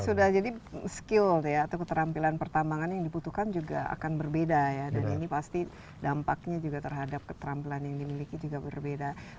sudah jadi skill ya atau keterampilan pertambangan yang dibutuhkan juga akan berbeda ya dan ini pasti dampaknya juga terhadap keterampilan yang dimiliki juga berbeda